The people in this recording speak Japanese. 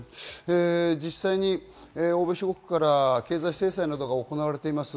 実際に欧米諸国から経済制裁などが行われています。